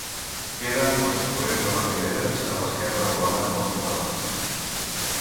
Queden al sud-oest de les Riberes, a l'esquerra del barranc dels Corrals.